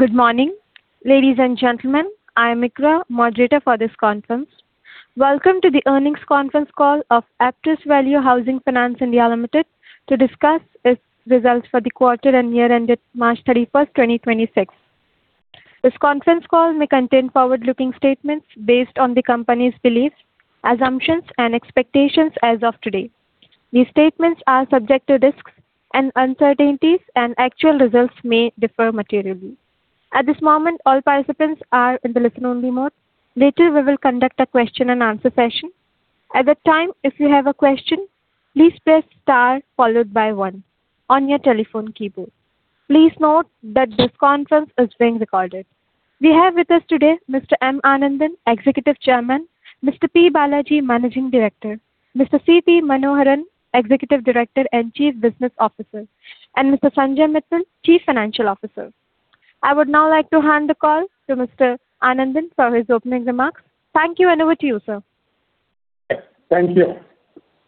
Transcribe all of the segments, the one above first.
Good morning, ladies and gentlemen. I'm Ikra, moderator for this conference. Welcome to the earnings conference call of Aptus Value Housing Finance India Limited to discuss its results for the quarter and year ended March 31st, 2026. This conference call may contain forward-looking statements based on the company's beliefs, assumptions and expectations as of today. These statements are subject to risks and uncertainties, and actual results may differ materially. At this moment, all participants are in the listen-only mode. Later, we will conduct a question-and-answer session. At that time, if you have a question, please press star followed by one on your telephone keyboard. Please note that this conference is being recorded. We have with us today Mr. M. Anandan, Executive Chairman, Mr. P. Balaji, Managing Director, Mr. C.T. Manoharan, Executive Director and Chief Business Officer, and Mr. Sanjay Mittal, Chief Financial Officer. I would now like to hand the call to Mr. Anandan for his opening remarks. Thank you, and over to you, sir. Thank you.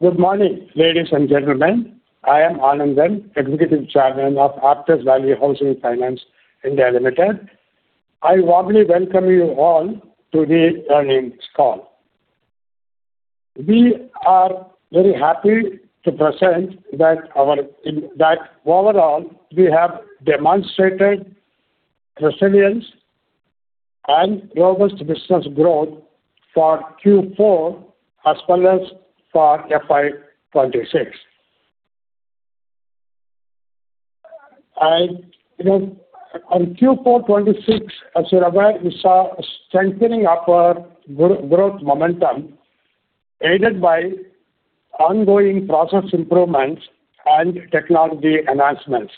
Good morning, ladies and gentlemen. I am Anandan, Executive Chairman of Aptus Value Housing Finance India Limited. I warmly welcome you all to the earnings call. We are very happy to present that overall we have demonstrated resilience and robust business growth for Q4 as well as for FY 2026. You know, on Q4 2026, as you're aware, we saw a strengthening of our growth momentum, aided by ongoing process improvements and technology enhancements,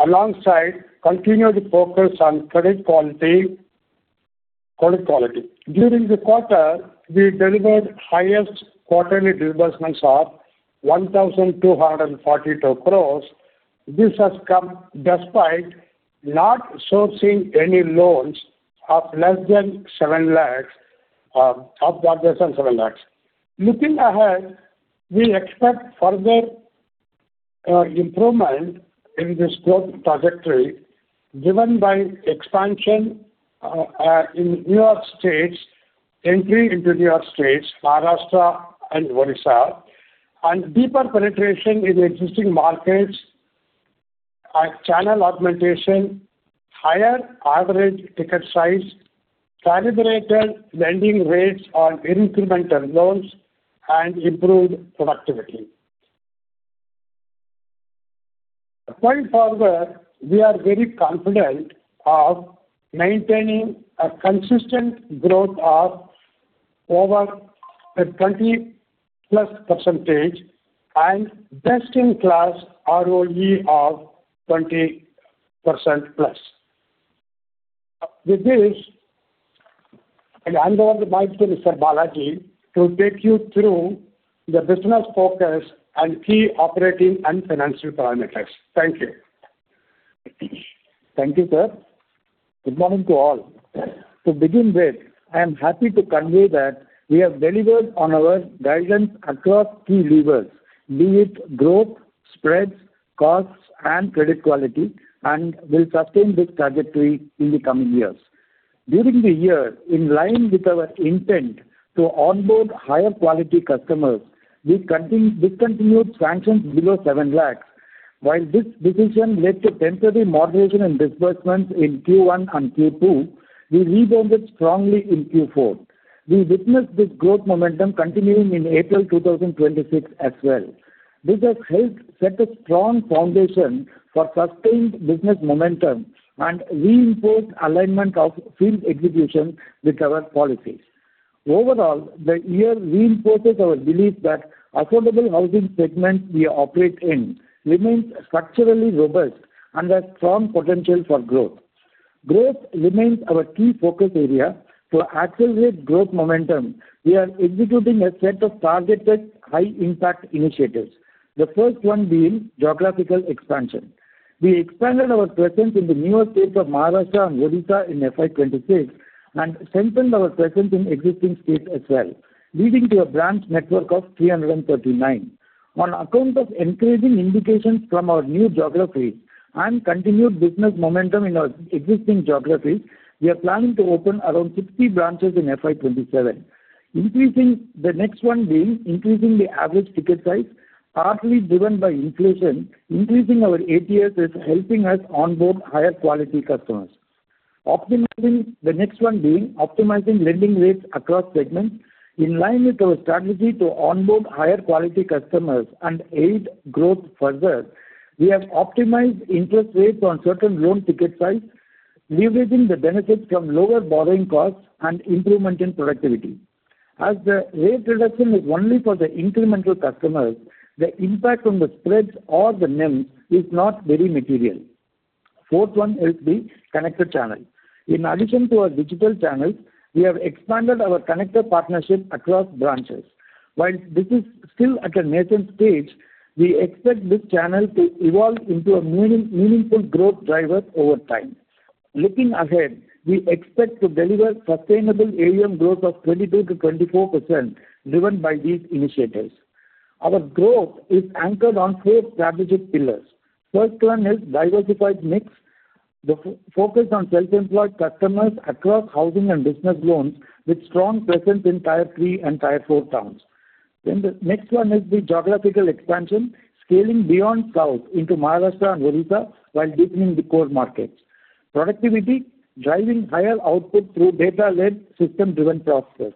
alongside continued focus on credit quality. During the quarter, we delivered highest quarterly disbursements of 1,242 crores. This has come despite not sourcing any loans of less than 7 lakhs of [inaudible] 7 lakhs. Looking ahead, we expect further improvement in this growth trajectory driven by expansion in newer states, entry into newer states, Maharashtra and Odisha, and deeper penetration in existing markets, channel augmentation, higher average ticket size, calibrated lending rates on incremental loans and improved productivity. Going forward, we are very confident of maintaining a consistent growth of over a 20+ percentage and best in class ROE of 20%+. With this, I'll hand over the mic to Mr. Balaji to take you through the business focus and key operating and financial parameters. Thank you. Thank you, sir. Good morning to all. To begin with, I am happy to convey that we have delivered on our guidance across key levers, be it growth, spreads, costs, and credit quality, and will sustain this trajectory in the coming years. During the year, in line with our intent to onboard higher quality customers, we discontinued sanctions below 7 lakhs. While this decision led to temporary moderation and disbursements in Q1 and Q2, we rebounded strongly in Q4. We witnessed this growth momentum continuing in April 2026 as well. This has helped set a strong foundation for sustained business momentum and reinforced alignment of field execution with our policies. Overall, the year reinforces our belief that affordable housing segment we operate in remains structurally robust and has strong potential for growth. Growth remains our key focus area. To accelerate growth momentum, we are executing a set of targeted high impact initiatives, the first one being geographical expansion. We expanded our presence in the newer states of Maharashtra and Odisha in FY 2026 and strengthened our presence in existing states as well, leading to a branch network of 339. On account of encouraging indications from our new geographies and continued business momentum in our existing geographies, we are planning to open around 50 branches in FY 2027. The next one being increasing the average ticket size, partly driven by inflation, increasing our ATS is helping us onboard higher quality customers. The next one being optimizing lending rates across segments. In line with our strategy to onboard higher quality customers and aid growth further, we have optimized interest rates on certain loan ticket size, leveraging the benefits from lower borrowing costs and improvement in productivity. As the rate reduction is only for the incremental customers, the impact on the spreads or the NIM is not very material. Fourth one is the connector channel. In addition to our digital channels, we have expanded our connector partnership across branches. While this is still at a nascent stage, we expect this channel to evolve into a meaningful growth driver over time. Looking ahead, we expect to deliver sustainable AUM growth of 22%-24% driven by these initiatives. Our growth is anchored on four strategic pillars. First one is diversified mix. The focus on self-employed customers across housing and business loans with strong presence in Tier 3 and Tier 4 towns. The next one is the geographical expansion, scaling beyond South into Maharashtra and Odisha while deepening the core markets. Productivity, driving higher output through data-led system-driven processes.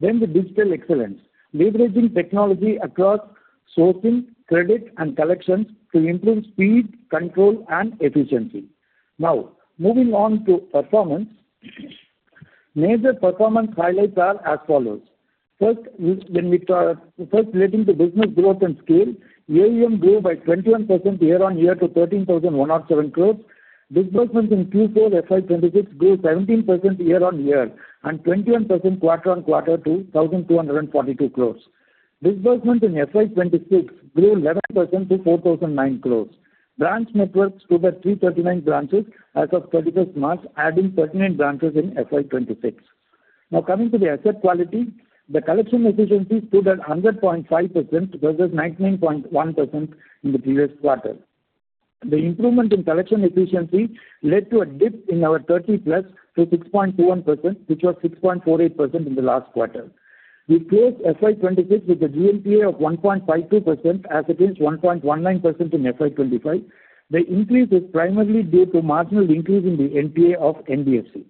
The digital excellence, leveraging technology across sourcing, credit and collections to improve speed, control and efficiency. Moving on to performance. Major performance highlights are as follows. First relating to business growth and scale, AUM grew by 21% year-on-year to 13,107 crore. Disbursement in Q4 FY 2026 grew 17% year-on-year and 21% quarter-on-quarter to 1,242 crore. Disbursement in FY 2026 grew 11% to 4,009 crore. Branch network stood at 339 branches as of March 26th, adding 13 branches in FY 2026. Coming to the asset quality. The collection efficiency stood at 100.5% versus 99.1% in the previous quarter. The improvement in collection efficiency led to a dip in our 30+%-6.21%, which was 6.48% in the last quarter. We closed FY 2026 with a GNPA of 1.52% as against 1.19% in FY 2025. The increase is primarily due to marginal increase in the NPA of NBFC.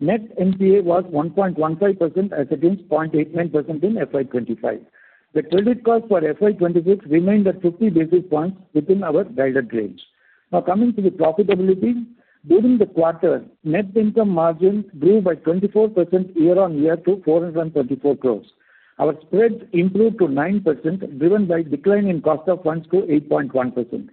Net NPA was 1.15% as against 0.89% in FY 2025. The credit cost for FY 2026 remained at 50 basis points within our guided range. Coming to the profitability. During the quarter, net income margin grew by 24% year-on-year to 424 crores. Our spreads improved to 9%, driven by decline in cost of funds to 8.1%.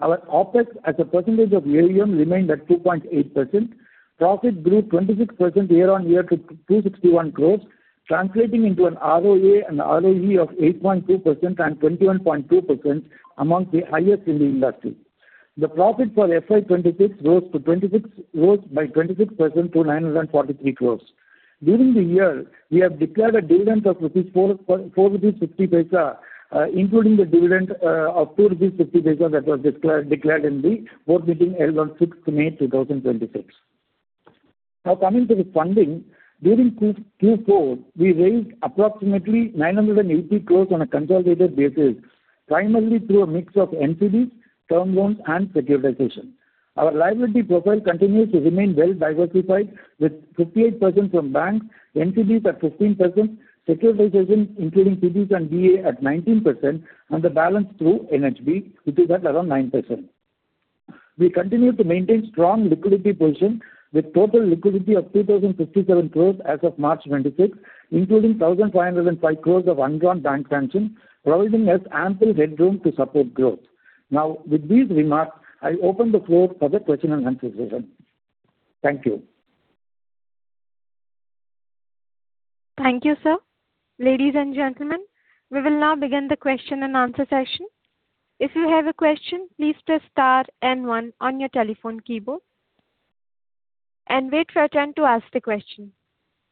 Our OpEx as a percentage of AUM remained at 2.8%. Profit grew 26% year-on-year to 261 crores, translating into an ROA and ROE of 8.2% and 21.2%, amongst the highest in the industry. The profit for FY 2026 rose by 26% to 943 crores. During the year, we have declared a dividend of 4.50 rupees, including the dividend of 2.50 rupees that was declared in the Board meeting held on May 6, 2026. Coming to the funding. During Q4, we raised approximately 980 crores on a consolidated basis, primarily through a mix of NCDs, term loans and securitization. Our liability profile continues to remain well-diversified, with 58% from banks, NCDs at 15%, securitization, including PTC and DA at 19% and the balance through NHB, which is at around 9%. We continue to maintain strong liquidity position with total liquidity of 2,057 crores as of March 26, including 1,505 crores of undrawn bank sanction, providing us ample headroom to support growth. With these remarks, I open the floor for the question-and-answer session. Thank you. Thank you, sir. Ladies and gentlemen, we will now begin the question-and-answer session. If you have a question, please press star and one on your telephone keyboard and wait for your turn to ask the question.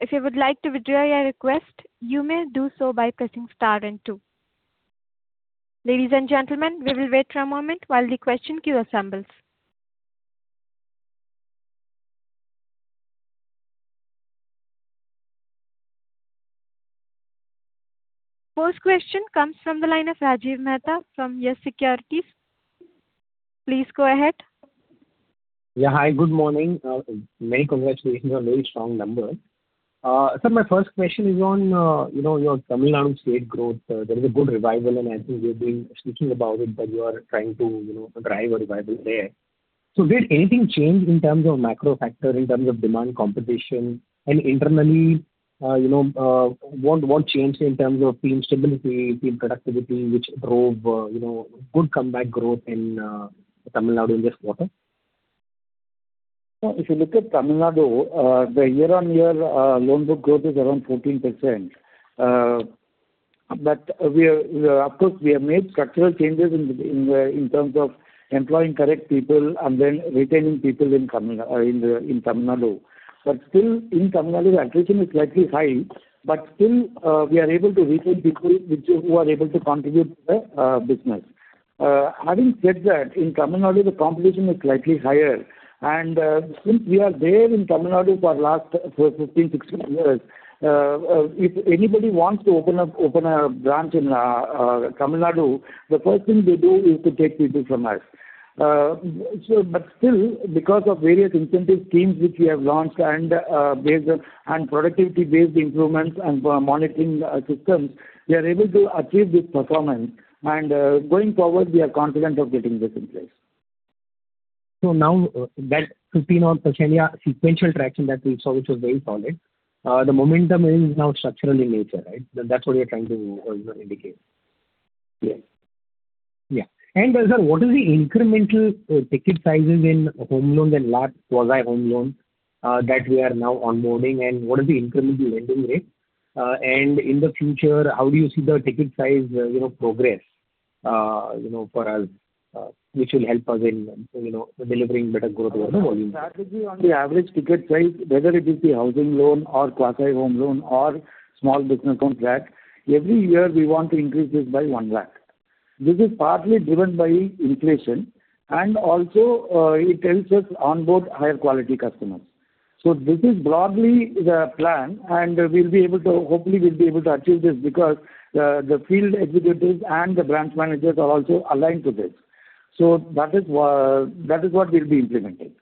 If you would like to withdraw your request, you may do so by pressing star and two. Ladies and gentlemen, we will wait for a moment while the question queue assembles. First question comes from the line of Rajiv Mehta from YES Securities. Please go ahead. Yeah. Hi, good morning. Many congratulations on very strong number. My first question is on, you know, your Tamil Nadu state growth. There is a good revival and I think you've been speaking about it that you are trying to, you know, drive a revival there. Did anything change in terms of macro factor, in terms of demand competition and internally, you know, what changed in terms of team stability, team productivity, which drove, you know, good comeback growth in Tamil Nadu in this quarter? If you look at Tamil Nadu, the year-on-year loan book growth is around 14%. We are, of course, we have made structural changes in terms of employing correct people and then retaining people in Tamil Nadu. Still in Tamil Nadu, attrition is slightly high, but still, we are able to retain people which, who are able to contribute to the business. Having said that, in Tamil Nadu the competition is slightly higher. Since we are there in Tamil Nadu for last, for 15, 16 years, if anybody wants to open up, open a branch in Tamil Nadu, the first thing they do is to take people from us. Still because of various incentive schemes which we have launched and productivity-based improvements and monitoring systems, we are able to achieve this performance and, going forward, we are confident of getting this in place. Now that 15-odd %, yeah, sequential traction that we saw, which was very solid, the momentum is now structural in nature, right? That's what you're trying to indicate. Yes. Yeah. Sir, what is the incremental ticket sizes in home loans and large quasi-home loans that we are now onboarding and what is the incremental lending rate? In the future, how do you see the ticket size, you know, progress? You know, for us, which will help us in, you know, delivering better growth over the volume. Strategy on the average ticket size, whether it is the housing loan or quasi-home loan or small business contract, every year we want to increase this by 1 lakh. This is partly driven by inflation, and also, it helps us onboard higher quality customers. This is broadly the plan, and we'll be able to hopefully achieve this because the field executives and the branch managers are also aligned to this. That is what will be implemented.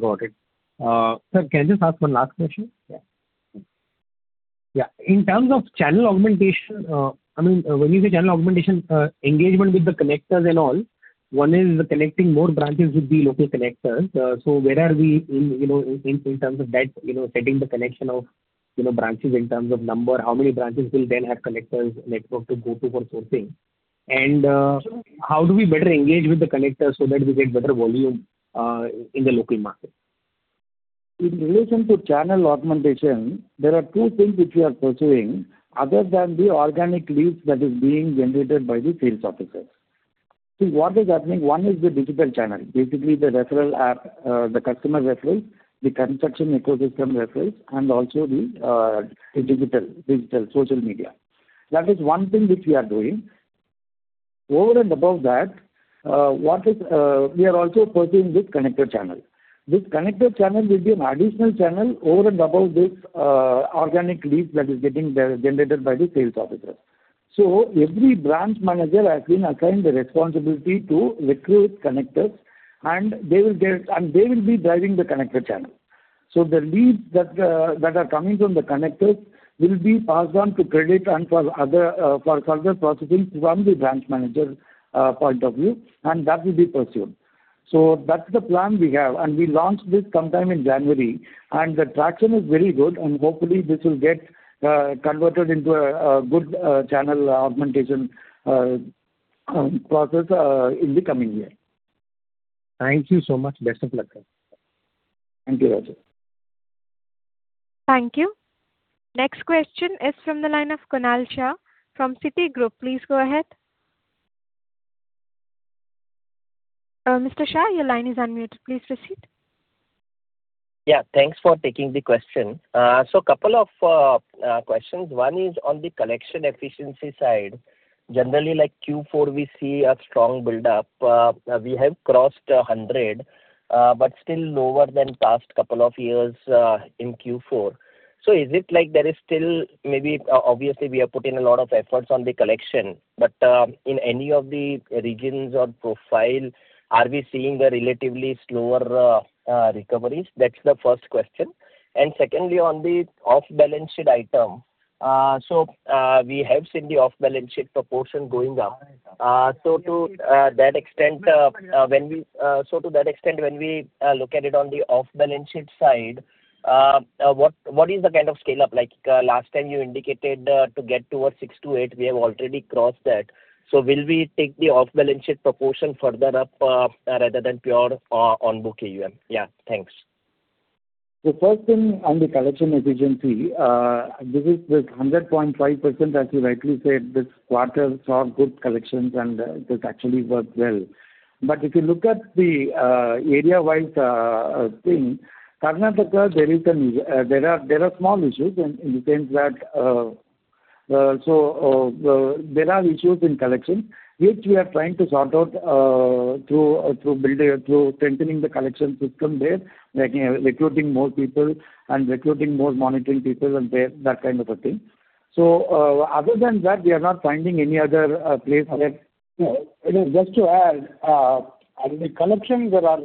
Got it. Sir, can I just ask one last question? Yeah. Yeah. In terms of channel augmentation, I mean, when you say channel augmentation, engagement with the connectors and all, one is connecting more branches with the local connectors. Where are we in, you know, in terms of that, you know, setting the connection of, you know, branches in terms of number, how many branches will then have connectors network to go to for sourcing? How do we better engage with the connectors so that we get better volume in the local market? In relation to channel augmentation, there are two things which we are pursuing other than the organic leads that is being generated by the sales officers. What is happening, one is the digital channel, basically the referral app, the customer referrals, the construction ecosystem referrals, and also the digital social media. That is one thing which we are doing. Over and above that, what is, we are also pursuing this connector channel. This connector channel will be an additional channel over and above this organic lead that is getting generated by the sales officers. Every branch manager has been assigned the responsibility to recruit connectors, and they will be driving the connector channel. The leads that are coming from the connectors will be passed on to credit and for other for further processing from the branch manager point of view, and that will be pursued. That's the plan we have, and we launched this sometime in January, and the traction is very good and hopefully this will get converted into a good channel augmentation process in the coming year. Thank you so much. Best of luck. Thank you, Mehta. Thank you. Next question is from the line of Kunal Shah from Citigroup. Please go ahead. Mr. Shah, your line is unmuted. Please proceed. Yeah, thanks for taking the question. Two questions. One is on the collection efficiency side. Generally, like Q4, we see a strong buildup. We have crossed 100%, still lower than past two years in Q4. Is it like there is still maybe, obviously we have put in a lot of efforts on the collection, in any of the regions or profile, are we seeing a relatively slower recoveries? That's the first question. Secondly, on the off-balance sheet item. We have seen the off-balance sheet proportion going up. To that extent, when we look at it on the off-balance sheet side, what is the kind of scale-up? Like, last time you indicated, to get towards 6%-8%, we have already crossed that. Will we take the off-balance sheet proportion further up, rather than pure, on-book AUM? Yeah. Thanks. The first thing on the collection efficiency, this is this 100.5%, as you rightly said, this quarter saw good collections and this actually worked well. If you look at the area-wise thing, Karnataka, there are small issues in the sense that there are issues in collection, which we are trying to sort out through strengthening the collection system there, like recruiting more people and recruiting more monitoring people and there, that kind of a thing. Other than that, we are not finding any other place. Just to add, as a collection, there are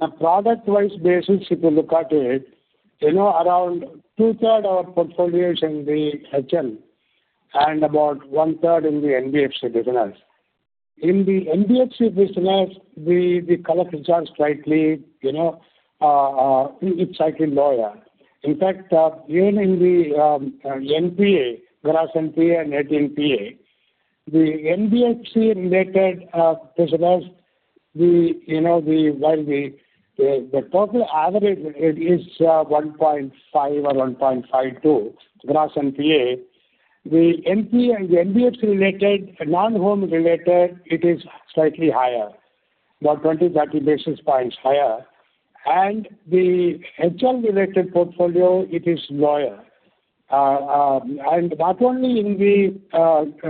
on a product-wise basis, if you look at it, you know, around 2/3 our portfolio is in the HL and about 1/3 in the NBFC business. In the NBFC business, the color is just slightly, you know, it's cycling lower. In fact, even in the NPA, gross NPA, net NPA, the NBFC related business, you know, while the total average it is 1.5% or 1.52% gross NPA, the NBFC related, non-home related, it is slightly higher, about 20 basis points, 30 basis points higher. The HL related portfolio, it is lower. Not only in the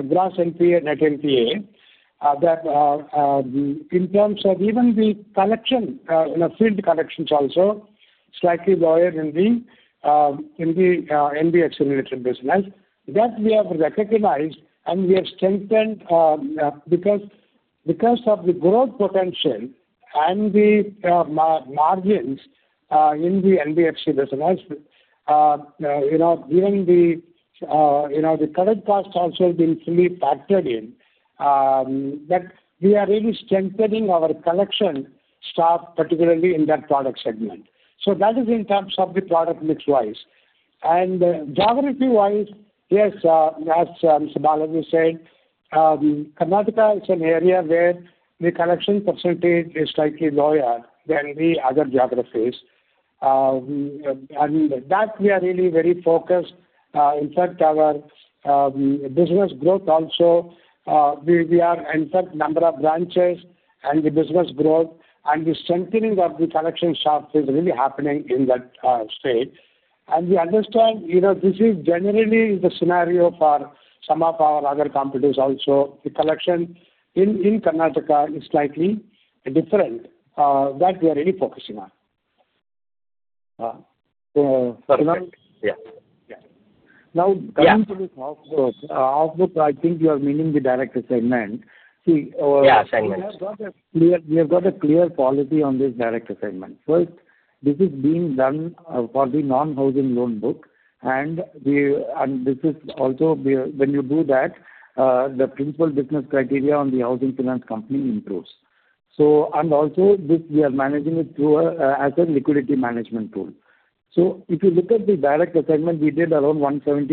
gross NPA, net NPA, in terms of even the collection, you know, field collections also slightly lower in the NBFC related business. That we have recognized and we have strengthened because of the growth potential and the margins, in the NBFC business, you know, given the, you know, the credit cost also been fully factored in, that we are really strengthening our collection staff, particularly in that product segment. That is in terms of the product mix-wise. Geography-wise, yes, as Mr. Balaji said, Karnataka is an area where the collection percentage is slightly lower than the other geographies. We are really very focused. In fact, our business growth also, we are in fact number of branches and the business growth and the strengthening of the collection staff is really happening in that state. We understand, you know, this is generally the scenario for some of our other competitors also. The collection in Karnataka is slightly different that we are really focusing on. Perfect. Yeah. Yeah. Now coming to this off-book. Off-book, I think you are meaning the direct assignment. Yeah, assignments. We have got a clear policy on this Direct Assignment. First, this is being done for the non-housing loan book, and this is also when you do that, the principal business criteria on the housing finance company improves. And also this we are managing it through a asset liquidity management tool. If you look at the Direct Assignment, we did around 170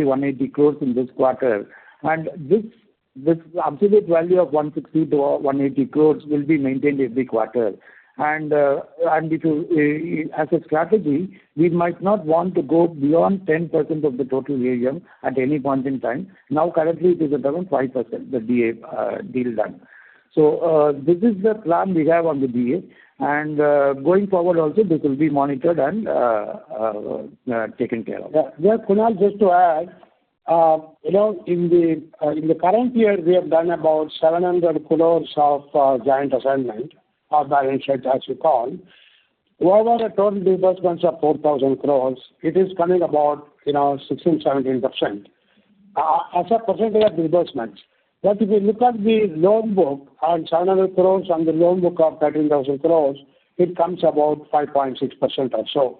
crore-180 crore in this quarter. And this absolute value of 160 crore-180 crore will be maintained every quarter. And if you as a strategy, we might not want to go beyond 10% of the total AUM at any point in time. Currently it is at around 5%, the DA deal done. This is the plan we have on the DA, and going forward also this will be monitored and taken care of. Yeah, Kunal, just to add, you know, in the current year, we have done about 700 crores of joint assignment, off-balance sheet as you call. Over a total disbursements of 4,000 crores, it is coming about, you know, 16%-17% as a percentage of disbursements. If you look at the loan book and INR 700 crores on the loan book of 13,000 crores, it comes about 5.6% or so.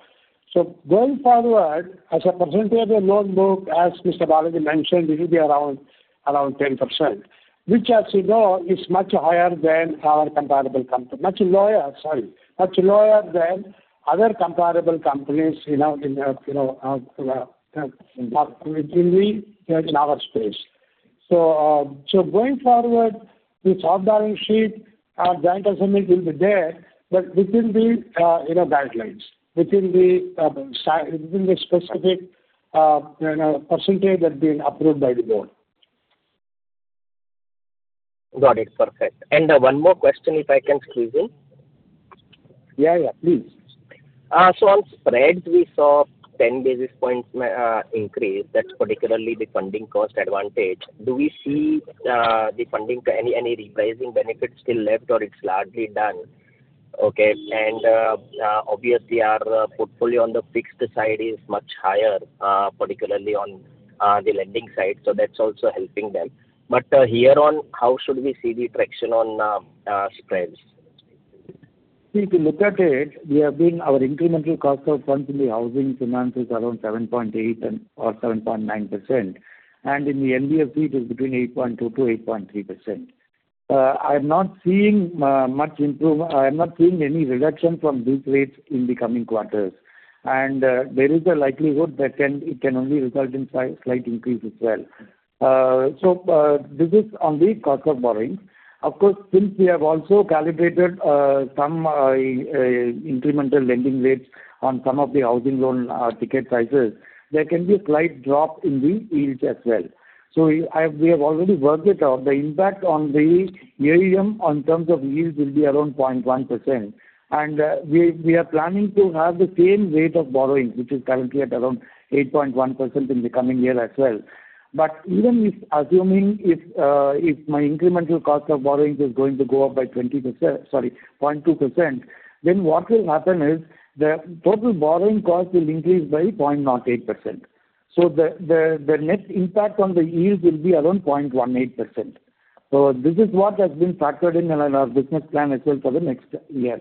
Going forward, as a percentage of the loan book, as Mr. Balaji mentioned, it will be around 10%, which as you know is much higher than our comparable company. Much lower, sorry, much lower than other comparable companies, you know, in the, you know, within the, in our space. Going forward with off-balance sheet, our joint assignment will be there, but within the, you know, guidelines, within the specific, you know, percentage that been approved by the Board. Got it. Perfect. One more question if I can squeeze in. Yeah, yeah, please. On spreads, we saw 10 basis points increase. That's particularly the funding cost advantage. Do we see the funding, any repricing benefits still left or it's largely done? Okay. Obviously our portfolio on the fixed side is much higher, particularly on the lending side, so that's also helping them. Here on, how should we see the traction on spreads? If you look at it, we have been, our incremental cost of funds in the housing finance is around 7.8% and or 7.9%, and in the NBFC it is between 8.2%-8.3%. I'm not seeing any reduction from these rates in the coming quarters. There is a likelihood it can only result in slight increase as well. This is on the cost of borrowings. Of course, since we have also calibrated some incremental lending rates on some of the housing loan ticket sizes, there can be a slight drop in the yields as well. We have already worked it out. The impact on the AUM on terms of yields will be around 0.1%. We are planning to have the same rate of borrowings, which is currently at around 8.1% in the coming year as well. Even if assuming if my incremental cost of borrowings is going to go up by, sorry, 0.2%, what will happen is the total borrowing cost will increase by 0.08%. The net impact on the yield will be around 0.18%. This is what has been factored in in our business plan as well for the next year.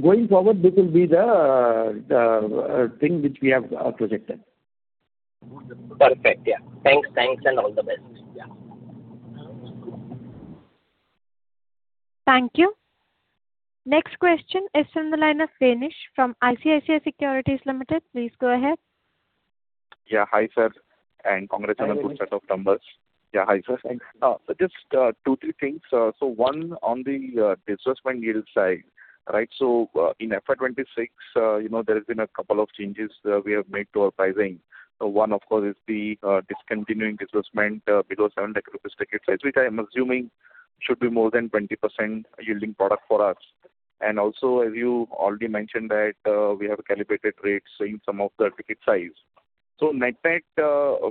Going forward, this will be the thing which we have projected. Perfect. Yeah. Thanks. Thanks, and all the best. Yeah. Thank you. Thank you. Next question is from the line of Danish from ICICI Securities Limited. Please go ahead. Yeah. Hi, sir, and congrats on a good set of numbers. Yeah. Hi, sir. Thanks. Just two, three things. One on the disbursement yield side, right? In FY 2026, you know, there has been a couple of changes we have made to our pricing. One of course is the discontinuing disbursement below 7 lakh rupees ticket size, which I am assuming should be more than 20% yielding product for us. Also, as you already mentioned that, we have calibrated rates in some of the ticket size. Net-net,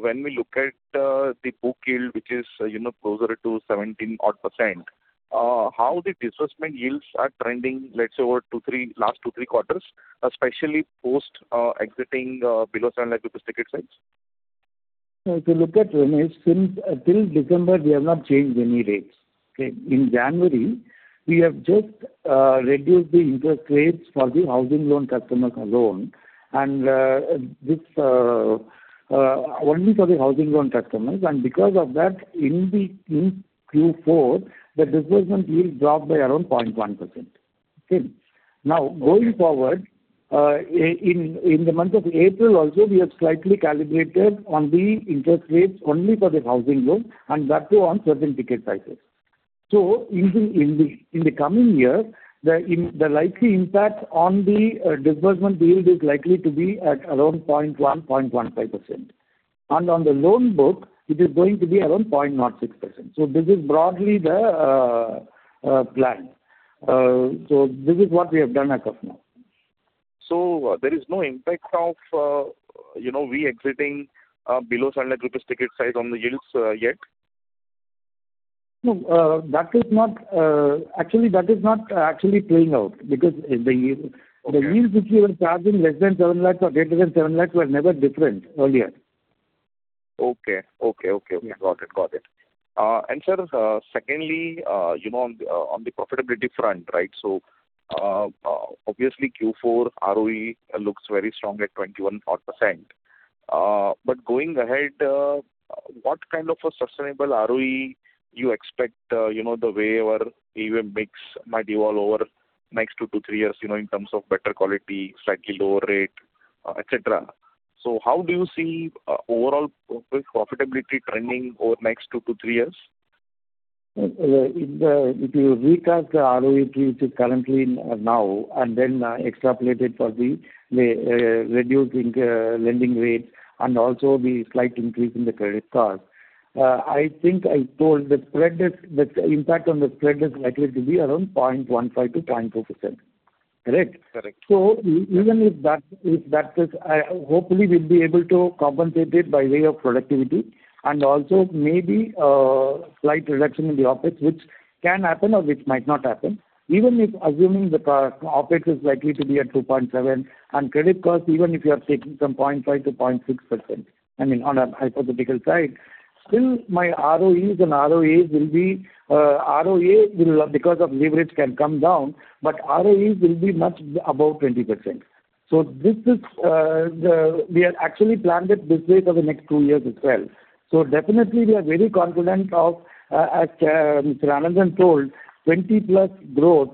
when we look at the book yield, which is, you know, closer to 17-odd %, how the disbursement yields are trending, let's say, over two, three, last two, three quarters, especially post exiting below 7 lakh rupees ticket size? If you look at, Danish, since till December, we have not changed any rates. Okay? In January, we have just reduced the interest rates for the housing loan customers alone, this only for the housing loan customers. Because of that, in Q4, the disbursement yield dropped by around 0.1%. Okay? Going forward, in the month of April also, we have slightly calibrated on the interest rates only for the housing loan, that too on certain ticket sizes. In the coming year, the likely impact on the disbursement yield is likely to be at around 0.1%, 0.15%. On the loan book, it is going to be around 0.06%. This is broadly the plan. This is what we have done as of now. there is no impact of, you know, we exiting, below 7 lakh rupees ticket size on the yields, yet? No, that is not actually playing out. Okay. The yields which we were charging less than 7 lakhs or greater than 7 lakhs were never different earlier. Okay. Okay. Okay. Okay. Got it. Got it. Sir, secondly, you know, on the profitability front, right? Obviously Q4 ROE looks very strong at 21-odd %. Going ahead, what kind of a sustainable ROE you expect, you know, the way our AUM mix might evolve over next two to three years, you know, in terms of better quality, slightly lower rate, etc. How do you see overall profitability trending over the next two to three years? If you recast the ROE which is currently now and then, extrapolate it for the reducing lending rates and also the slight increase in the credit cost, I think the impact on the spread is likely to be around 0.15%-0.2%. Correct? Correct. Even if that, if that is, hopefully we'll be able to compensate it by way of productivity and also maybe a slight reduction in the OpEx, which can happen or which might not happen. Even if assuming the OpEx is likely to be at 2.7% and credit cost, even if you are taking from 0.5%-0.6%, I mean, on a hypothetical side, still my ROEs and ROAs will be, ROA will, because of leverage can come down, but ROEs will be much above 20%. This is, we have actually planned it this way for the next two years as well. Definitely we are very confident of, as Anandan told, 20%+ growth,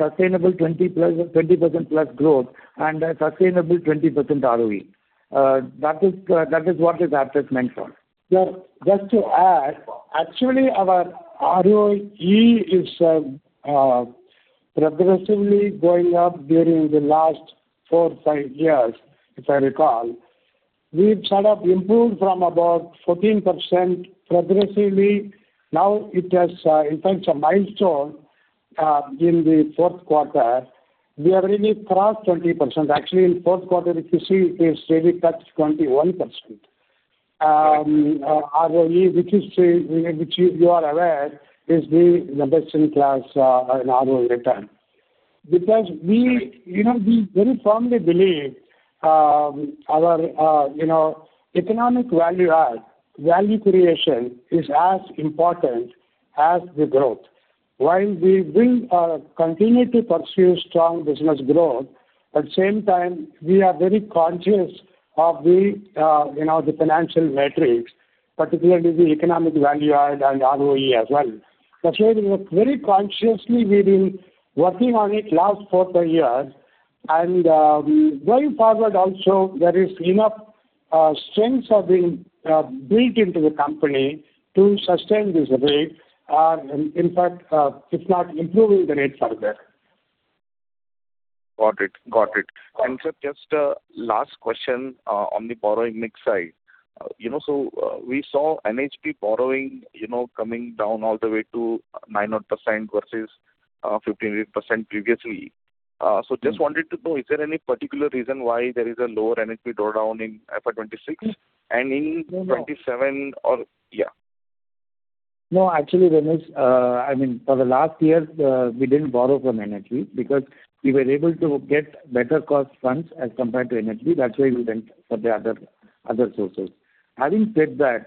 sustainable 20%+ growth and a sustainable 20% ROE. That is what is addressed meant for. Sir, just to add, actually our ROE is progressively going up during the last four, five years, if I recall. We've sort of improved from about 14% progressively. Now it has, in fact, a milestone in the fourth quarter. We are really crossed 20%. Actually, in fourth quarter, if you see, it has really touched 21%. ROE, which you are aware is the best in class in ROE return. We, you know, we very firmly believe, our, you know, economic value add, value creation is as important as the growth. While we will continue to pursue strong business growth, but same time, we are very conscious of the, you know, the financial metrics, particularly the economic value add and ROE as well. That's why we work very consciously. We've been working on it last four, five years. Going forward also, there is enough strengths have been built into the company to sustain this rate. In fact, if not improving the rate further. Got it. Got it. Sir, just last question on the borrowing mix side. You know, we saw NHB borrowing, you know, coming down all the way to 9-odd% versus 15% previously. Just wanted to know, is there any particular reason why there is a lower NHB drawdown in FY 2026 and in 2027? No, actually, Danish, I mean, for the last year, we didn't borrow from NHB because we were able to get better cost funds as compared to NHB. That's why we went for the other sources. Having said that,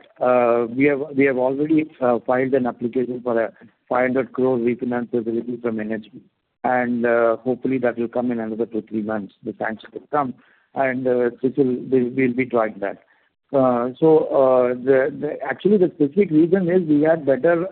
we have already filed an application for a 500 crore refinance ability from NHB, and hopefully that will come in another two, three months. The banks will come, so we'll be drawing that. Actually the specific reason is we had better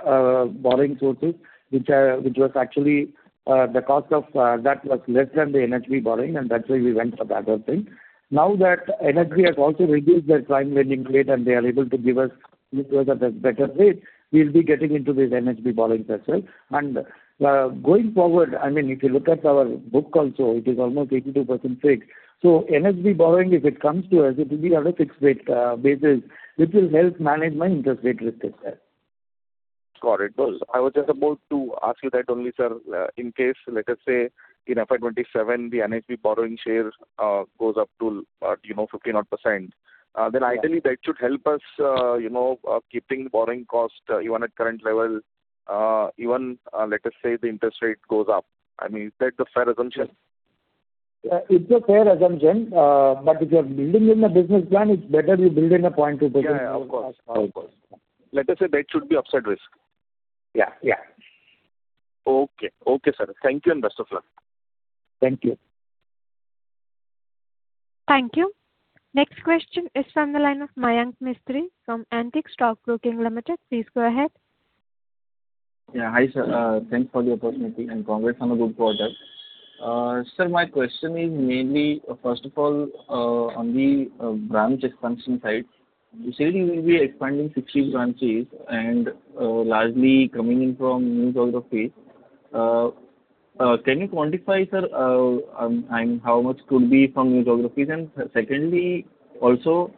borrowing sources which was actually the cost of that was less than the NHB borrowing. That's why we went for the other thing. Now that NHB has also reduced their prime lending rate and they are able to give us a better rate, we'll be getting into this NHB borrowings as well. Going forward, I mean, if you look at our book also, it is almost 82% fixed. NHB borrowing, if it comes to us, it will be on a fixed rate basis, which will help manage my interest rate risk as well. Got it. I was just about to ask you that only, sir. In case, let us say in FY 2027 the NHB borrowing share goes up to, you know, 50% more, then ideally that should help us, you know, keeping borrowing cost even at current level, even, let us say the interest rate goes up. I mean, is that a fair assumption? It's a fair assumption. If you are building in a business plan, it's better you build in a 0.2%. Yeah, of course. Of course. Let us say that should be upside risk. Yeah. Yeah. Okay. Okay, sir. Thank you and best of luck. Thank you. Thank you. Next question is from the line of Mayank Mistry from Antique Stock Broking Limited. Please go ahead. Yeah. Hi, sir. Thanks for the opportunity and congrats on a good quarter. Sir, my question is mainly, first of all, on the branch expansion side. You said you will be expanding 60 branches and largely coming in from new geographies. Can you quantify, sir, and how much could be from new geographies? Secondly, also,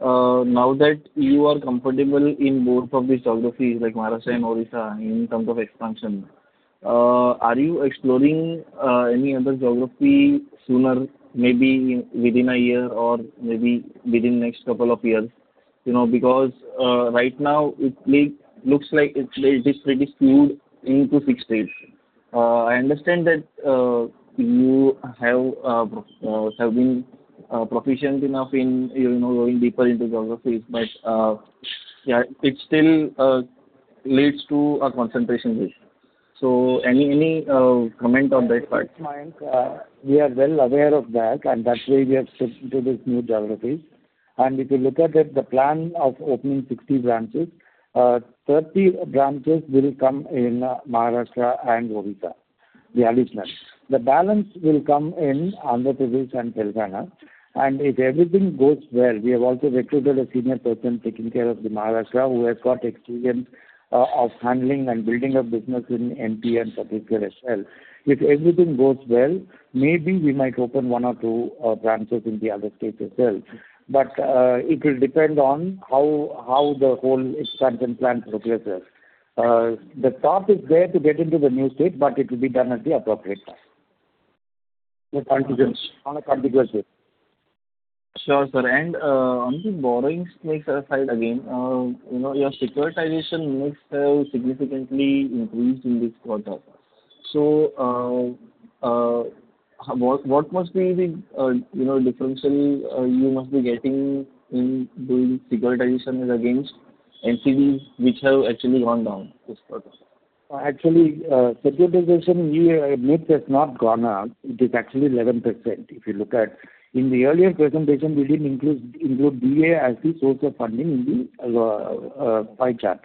now that you are comfortable in both of these geographies, like Maharashtra and Odisha, in terms of expansion, are you exploring any other geography sooner, maybe within a year or maybe within next couple of years? You know, because right now it looks like it is pretty skewed into fixed rate. I understand that you have been proficient enough in, you know, going deeper into geographies, but, yeah, it still leads to a concentration risk. Any comment on that part? Yes, Mayank. We are well aware of that's why we have stepped into these new geographies. If you look at it, the plan of opening 60 branches, 30 branches will come in Maharashtra and Odisha. The early plan. The balance will come in [Andhra Pradesh] and Telangana. If everything goes well, we have also recruited a senior person taking care of the Maharashtra, who has got experience of handling and building a business in MP and Chhattisgarh as well. If everything goes well, maybe we might open one or two branches in the other states as well. It will depend on how the whole expansion plan progresses. The thought is there to get into the new state, it will be done at the appropriate time. On a contiguous. On a contiguous basis. Sure, sir. On the borrowings mix side again, you know, your securitization mix has significantly increased in this quarter. What must be the, you know, differential you must be getting in doing securitization as against NCDs which have actually gone down this quarter? Actually, securitization mix has not gone up. It is actually 11%. If you look at, in the earlier presentation, we didn't include DA as the source of funding in the pie chart.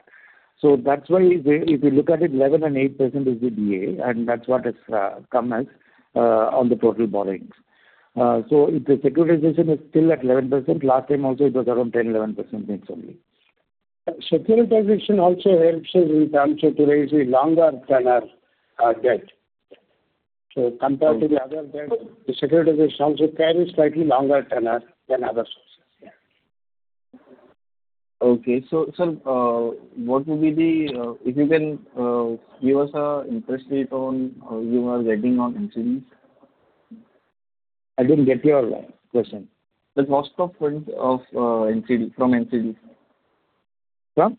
That's why if you, if you look at it, 11% and 8% is the DA, and that's what it's come as on the total borrowings. If the securitization is still at 11%, last time also it was around 10%-11% mix only. Securitization also helps us in terms of to raise the longer tenure debt. Compared to the other debt, the securitization also carries slightly longer tenure than other sources. Okay. sir, what will be the, if you can, give us a interest rate on, you are getting on NCDs? I didn't get your last question. The cost of funds of NCD, from NCDs. From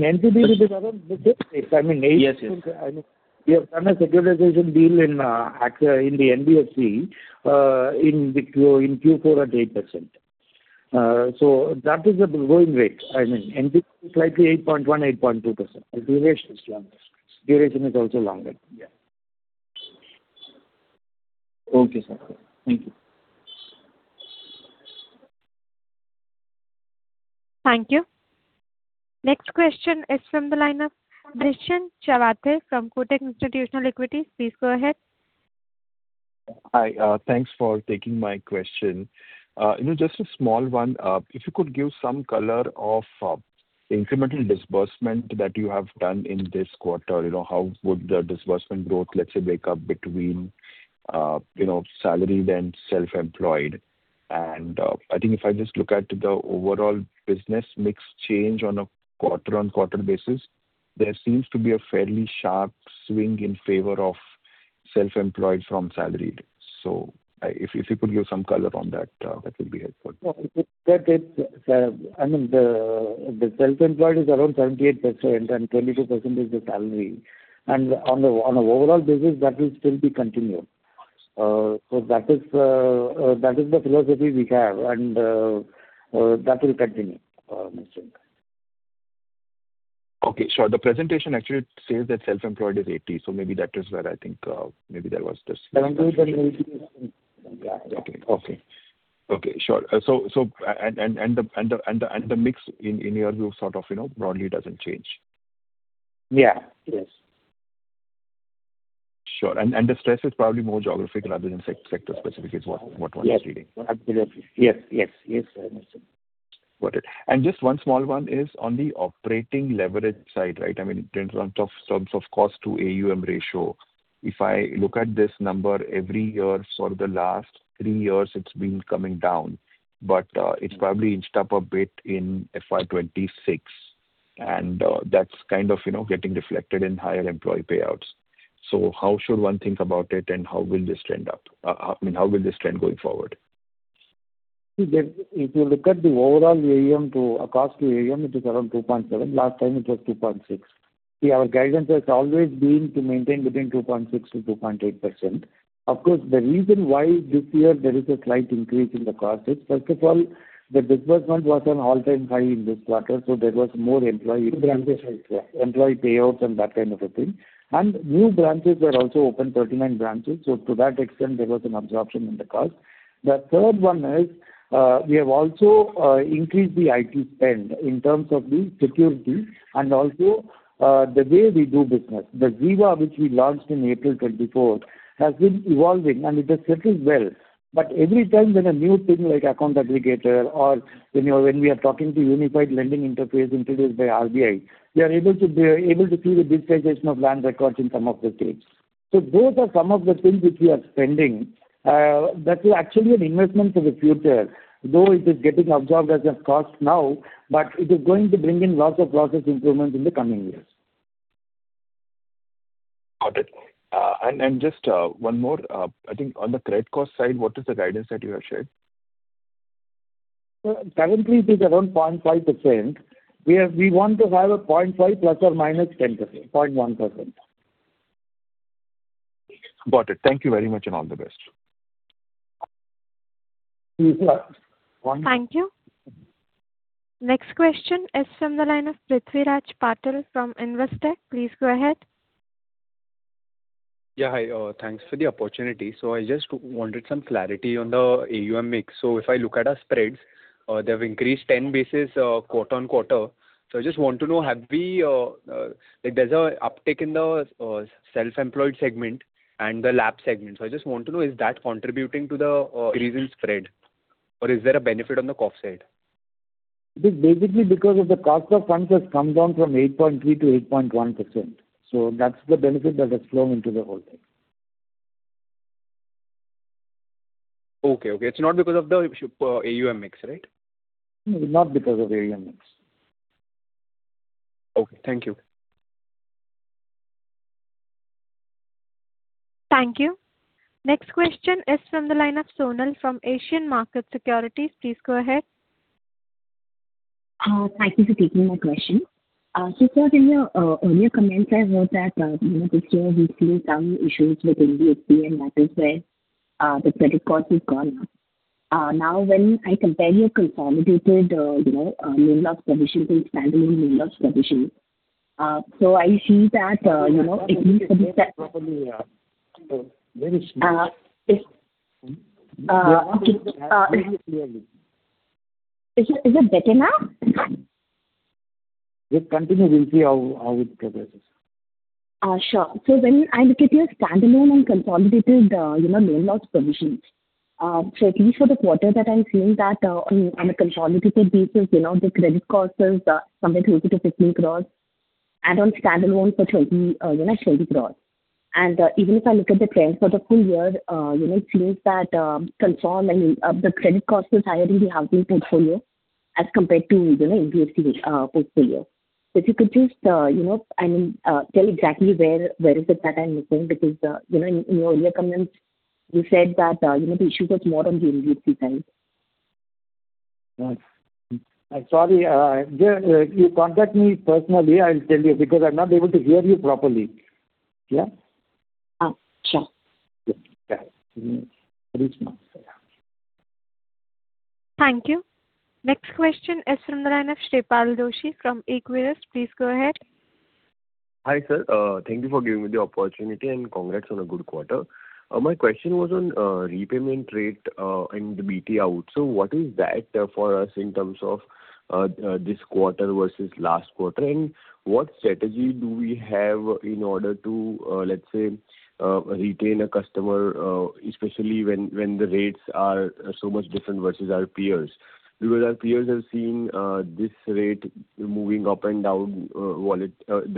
NCD it is around 6%, 8%. I mean. Yes, yes. I mean, we have done a securitization deal in the NBFC in Q4 at 8%. That is the borrowing rate. I mean, NCD is slightly 8.1%, 8.2%. The duration is longer. Duration is also longer. Yeah. Okay, sir. Thank you. Thank you. Next question is from the line of Dhrisan [inaudible] from Kotak Institutional Equities. Please go ahead. Hi. Thanks for taking my question. You know, just a small one. If you could give some color of the incremental disbursement that you have done in this quarter. You know, how would the disbursement growth, let's say, break up between, you know, salaried and self-employed? I think if I just look at the overall business mix change on a quarter-on-quarter basis, there seems to be a fairly sharp swing in favor of self-employed from salaried. If you could give some color on that would be helpful. No, it is that it, I mean, the self-employed is around 78% and 22% is the salary. On a, on a overall basis, that will still be continued. That is, that is the philosophy we have, and that will continue, Dhrisan. Okay, sure. The presentation actually says that self-employed is 80%. Maybe that is where I think. Salary is INR 80. Yeah. Okay. Okay. Okay. Sure. And the mix in your view, sort of, you know, broadly doesn't change. Yeah. Yes. Sure. The stress is probably more geographic rather than sector specific is what one is reading. Yes. Absolutely. Yes. Yes. Yes, Dhrisan. Got it. Just one small one is on the operating leverage side, right? I mean, in terms of cost to AUM ratio. If I look at this number every year for the last three years, it's been coming down. It's probably inched up a bit in FY 2026. That's kind of, you know, getting reflected in higher employee payouts. How should one think about it and how will this trend up? I mean, how will this trend going forward? If you look at the overall AUM to cost to AUM, it is around 2.7%. Last time it was 2.6%. Our guidance has always been to maintain between 2.6%-2.8%. Of course, the reason why this year there is a slight increase in the cost is, first of all, the disbursement was an all-time high in this quarter, so there was more employee. New branches also. Employee payouts and that kind of a thing. New branches were also open, 39 branches, so to that extent, there was an absorption in the cost. The third one is, we have also increased the IT spend in terms of the security and also, the way we do business. The ZIVA which we launched in April 2024 has been evolving and it has settled well. Every time when a new thing like account aggregator or when we are talking to Unified Lending Interface introduced by RBI, we are able to see the digitization of land records in some of the states. Those are some of the things which we are spending, that is actually an investment for the future, though it is getting absorbed as a cost now, but it is going to bring in lots of process improvements in the coming years. Got it. Just one more. I think on the credit cost side, what is the guidance that you have shared? Currently it is around 0.5%. We want to have a 0.5%, ±10%, 0.1%. Got it. Thank you very much and all the best. Yes, sir. Thank you. Next question is from the line of Prithviraj Patil from Investec. Please go ahead. Yeah. Hi, thanks for the opportunity. I just wanted some clarity on the AUM mix. If I look at our spreads, they have increased 10 basis quarter-on-quarter. I just want to know, have we Like, there's a uptick in the self-employed segment and the LAP segment. I just want to know, is that contributing to the recent spread or is there a benefit on the cost side? It is basically because of the cost of funds has come down from 8.3%-8.1%. That's the benefit that has flown into the whole thing. Okay. Okay. It's not because of the AUM mix, right? No, not because of AUM mix. Okay. Thank you. Thank you. Next question is from the line of Sonal from Asian Market Securities. Please go ahead. Thank you for taking my question. Sir in your earlier comments I heard that, you know, this year we've seen some issues with NBFC and that is where the credit cost has gone up. Now when I compare your consolidated, you know, macro provision to standalone macro provision, I see that, you know, it- You're not hearing me properly. very small. It's okay. You have to hear me clearly. Is it better now? Just continue. We'll see how it progresses. Sure. When I look at your standalone and consolidated macro provisions, at least for the quarter that I'm seeing that on a consolidated basis, the credit cost is somewhere 30 crore-50 crore and on standalone for 20 crore. Even if I look at the trend for the full year, it seems that co-lending and the credit cost is higher in the housing portfolio as compared to NBFC portfolio. If you could just tell exactly where is it that I'm looking because in your earlier comments you said that the issue was more on the NBFC side. Right. I'm sorry. Yeah, you contact me personally, I'll tell you because I'm not able to hear you properly. Yeah? Sure. Yeah. Very small. Thank you. Next question is from the line of Shreepal Doshi from Equirus. Please go ahead. Hi, sir. Thank you for giving me the opportunity and congrats on a good quarter. My question was on repayment rate and BT out. What is that for us in terms of this quarter versus last quarter? What strategy do we have in order to let's say retain a customer especially when the rates are so much different versus our peers? Because our peers have seen this rate moving up and down, there has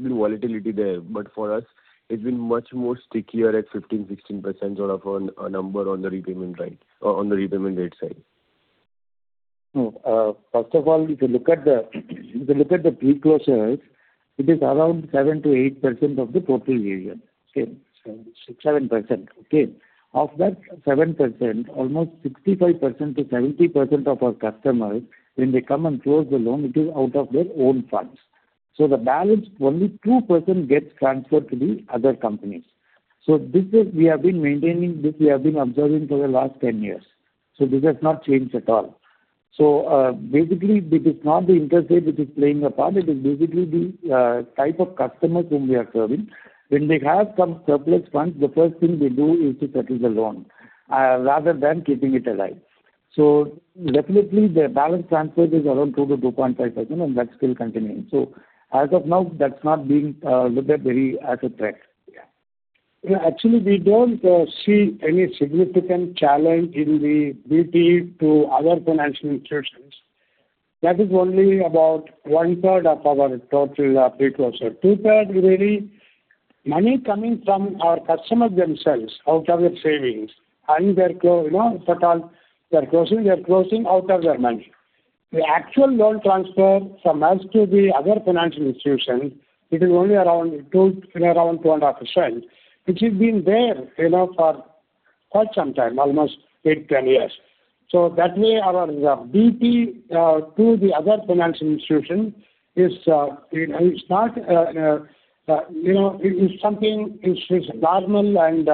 been volatility there, but for us it's been much more stickier at 15%, 16% sort of a number on the repayment rate, on the repayment rate side. First of all, if you look at the pre-closures, it is around 7%-8% of the total AUM. Okay. 7%, 6%, 7%. Okay. Of that 7%, almost 65%-70% of our customers, when they come and close the loan, it is out of their own funds. The balance only 2% gets transferred to the other companies. We have been maintaining this, we have been observing for the last 10 years. This has not changed at all. Basically this is not the interest rate which is playing a part. It is basically the type of customers whom we are serving. When they have some surplus funds, the first thing they do is to settle the loan rather than keeping it alive. Definitely the balance transfer is around 2%-2.5% and that's still continuing. As of now, that's not being looked at very as a threat. You know, actually we don't see any significant challenge in the BT to other financial institutions. That is only about one third of our total pre-closure. Two third really money coming from our customers themselves out of their savings and you know, if at all they're closing, they're closing out of their money. The actual loan transfer from us to the other financial institution, it is only around 2.5%, which has been there, you know, for quite some time, almost eight, 10 years. That way our BT to the other financial institution is, it's not, you know, it is something, it's normal and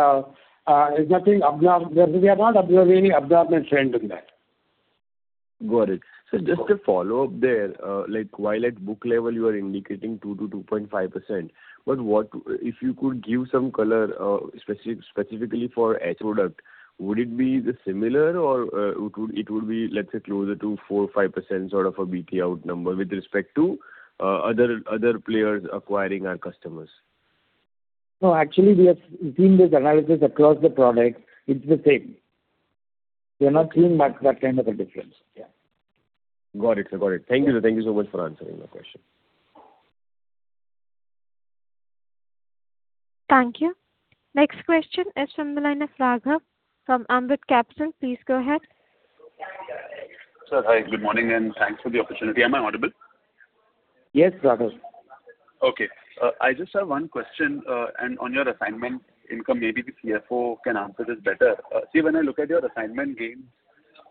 it's nothing abnormal. We are not observing any abnormal trend in that. Got it. Just a follow-up there. Like while at book level you are indicating 2%-2.5%, what if you could give some color specifically for each product, would it be the similar or it would be, let's say closer to 4% or 5% sort of a BT out number with respect to other players acquiring our customers? No, actually we have seen this analysis across the product. It's the same. We are not seeing that kind of a difference. Yeah. Got it, sir. Got it. Thank you. Thank you so much for answering my question. Thank you. Next question is from the line of Raghav from Ambit Capital. Please go ahead. Sir, hi, good morning, thanks for the opportunity. Am I audible? Yes, Raghav. I just have one question, on your assignment income, maybe the CFO can answer this better. See, when I look at your assignment gains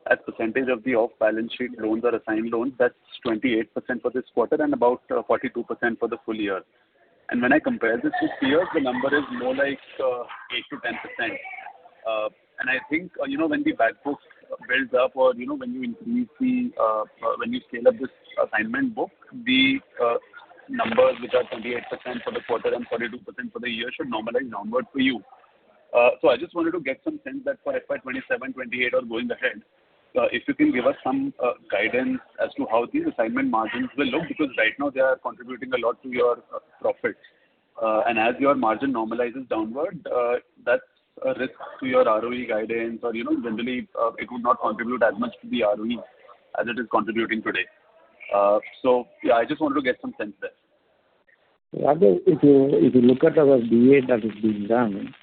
as percentage of the off-balance sheet loans or assigned loans, that's 28% for this quarter and about 42% for the full year. When I compare this to peers, the number is more like 8%-10%. I think, you know, when the bad books build up or, you know, when you increase the, when you scale up this assignment book, the numbers which are 28% for the quarter and 42% for the year should normalize downward for you. I just wanted to get some sense that for FY 2027, 2028 or going ahead, if you can give us some guidance as to how these assignment margins will look, because right now they are contributing a lot to your profits. As your margin normalizes downward, that's a risk to your ROE guidance or, you know, generally, it would not contribute as much to the ROE as it is contributing today. I just wanted to get some sense there. Raghav, if you look at our DA that is being done,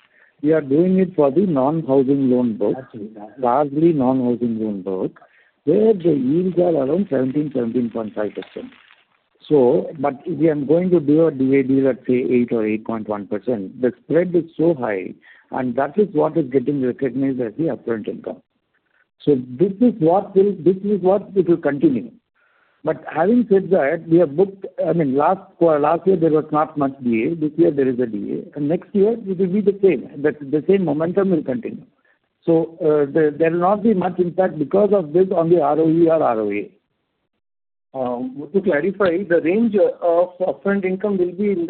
we are doing it for the non-housing loan book. Absolutely. Largely non-housing loan book, where the yields are around 17%, 17.5%. If we are going to do a DA deal at, say, 8% or 8.1%, the spread is so high, and that is what is getting recognized as the upfront income. This is what will, this is what it will continue. Having said that, we have booked, I mean, for last year there was not much DA. This year there is a DA, and next year it will be the same. That the same momentum will continue. There will not be much impact because of this on the ROE or ROA. To clarify, the range of upfront income will be in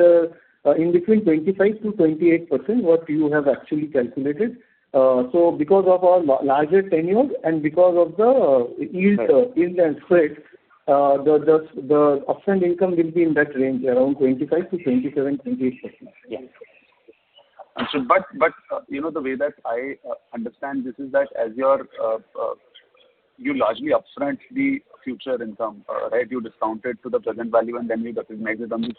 between 25%-28%, what you have actually calculated. Because of our larger tenures and because of the yield- Right. -yield and spread, the upfront income will be in that range, around 25%-27%, 28%. Yeah. Got you. You know, the way that I understand this is that as your, you largely upfront the future income, right? You discount it to the present value and then we recognize it on the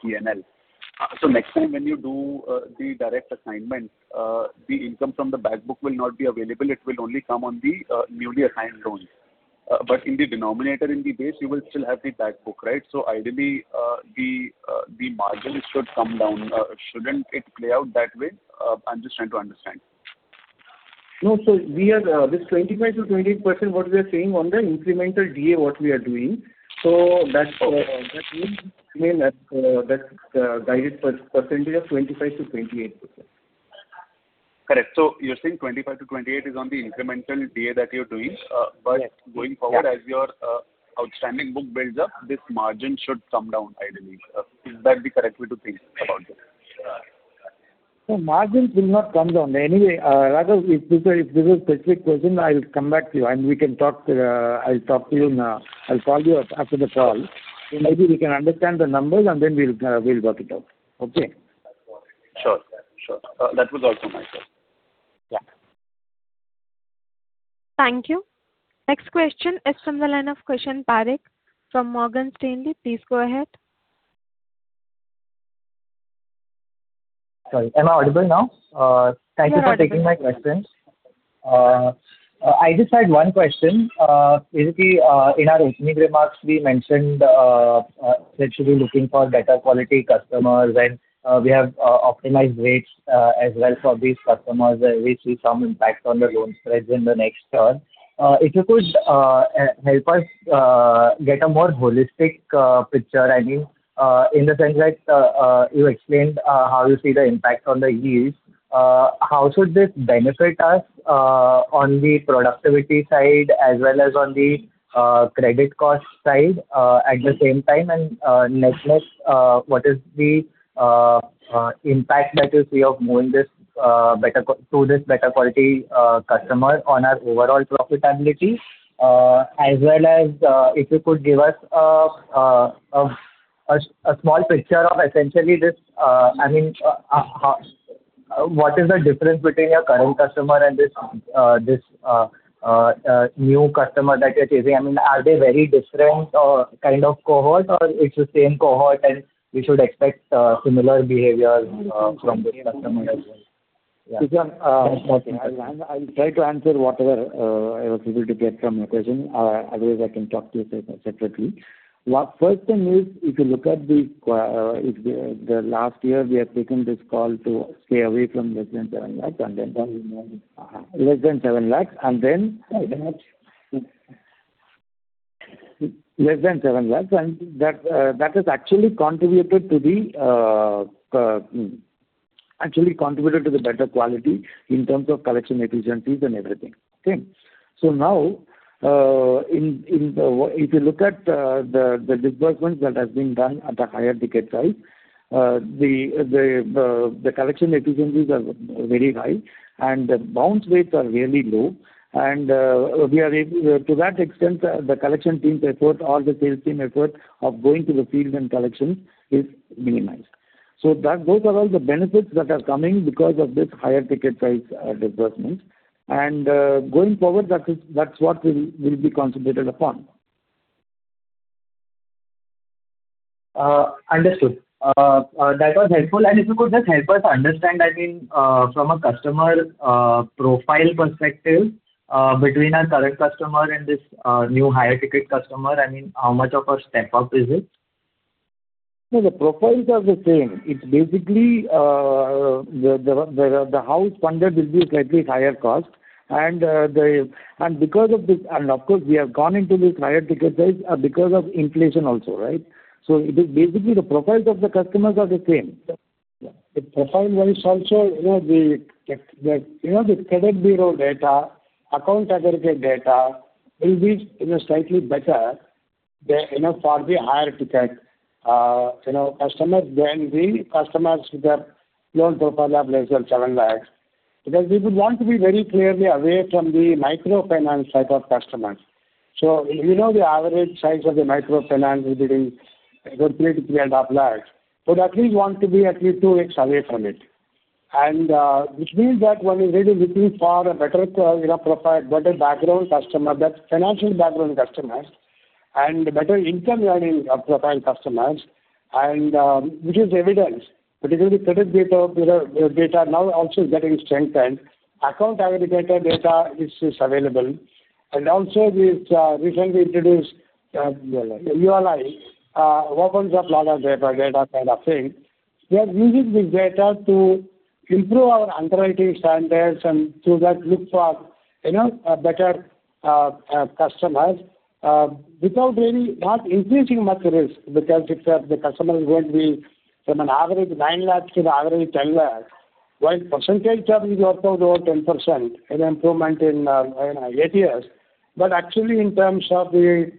P&L. Next time when you do the direct assignment, the income from the back book will not be available. It will only come on the newly assigned loans. In the denominator, in the base, you will still have the back book, right? Ideally, the margin should come down. Shouldn't it play out that way? I'm just trying to understand. No. We are, this 25%-28%, what we are saying on the incremental DA what we are doing. Okay. That means, I mean, that's guided percentage of 25%-28%. Correct. You're saying 25%-28% is on the incremental DA that you're doing- Yes. ...going forward- Yeah. ...as your outstanding book builds up, this margin should come down, ideally. Is that the correct way to think about it? Margins will not come down anyway. Raghav, if this is specific question, I'll come back to you and we can talk. I'll call you up after the call. Sure. Maybe we can understand the numbers, and then we'll work it out. Okay? Sure. Sure. That was also my thought. Yeah. Thank you. Next question is from the line of Krishan Parekh from Morgan Stanley. Please go ahead. Sorry, am I audible now? Yeah. Thank you for taking my questions. I just had one question. Basically, in our opening remarks, we mentioned that you'll be looking for better quality customers and we have optimized rates as well for these customers. We see some impact on the loan spreads in the next term. If you could help us get a more holistic picture, I mean, in the sense like, you explained how you see the impact on the yields. How should this benefit us on the productivity side as well as on the credit cost side at the same time? Net-net, what is the impact that you see of moving this to this better quality customer on our overall profitability? As well as, if you could give us a small picture of essentially this, I mean, how what is the difference between your current customer and this new customer that you're chasing? I mean, are they very different kind of cohort, or it's the same cohort and we should expect similar behavior from this customer as well? Yeah. Krishan- Okay. ...I'll try to answer whatever I was able to get from your question. Otherwise I can talk to you separately. First thing is, if you look at the last year we have taken this call to stay away from less than 7 lakhs, and then less than 7 lakhs. Right. Less than INR 7 lakhs, that has actually contributed to the better quality in terms of collection efficiencies and everything. Okay. Now, if you look at the disbursements that has been done at a higher ticket size, the collection efficiencies are very high and the bounce rates are really low. We are able To that extent, the collection team's effort or the sales team effort of going to the field and collection is minimized. So that those are all the benefits that are coming because of this higher ticket size disbursement. Going forward, that's what we will be concentrated upon. Understood. That was helpful. If you could just help us understand, I mean, from a customer, profile perspective, between a current customer and this, new higher ticket customer, I mean, how much of a step-up is it? No, the profiles are the same. It's basically the house funded will be slightly higher cost. Because of this And of course, we have gone into this higher ticket size because of inflation also, right? It is basically the profiles of the customers are the same. Yeah. The profile wise also, you know, the credit bureau data, account aggregator data will be, you know, slightly better there, you know, for the higher ticket, you know, customers than the customers with the loan profile of less than INR 7 lakhs. Because we would want to be very clearly away from the microfinance type of customers. You know the average size of the microfinance will be between 2 lakhs-3.5 lakhs. We'd at least want to be at least 2 lakhs away from it. Which means that one is really looking for a better, you know, profile, better background customer, better financial background customers and better income earning of profile customers. Which is evident, particularly credit data now also is getting strengthened. Account aggregator data is available. Also this, recently introduced, you know, the ULI, opens up lot of data kind of thing. We are using this data to improve our underwriting standards and through that look for, you know, better customers, without really not increasing much risk because if the customer is going to be from an average 9 lakhs to an average 10 lakhs, while percentage of is also over 10% an improvement in, you know, eight years. Actually in terms of the,